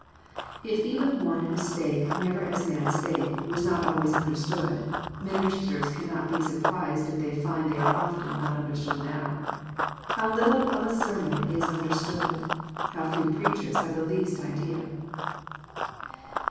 If even One who '* spake as never man spake " was not always 1 understood, ministers cannot be surprised if they find they are ' often not understood now. How little of a sermon Is under stood, few preachers have the least idea!